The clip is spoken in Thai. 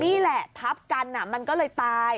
นี่แหละทับกันมันก็เลยตาย